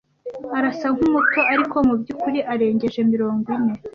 Arasa nkumuto, ariko mubyukuri arengeje mirongo ine.